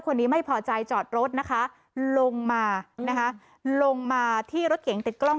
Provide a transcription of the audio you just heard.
คนนี้ไม่พอใจจอดรถนะคะลงมานะคะลงมาที่รถเก๋งติดกล้อง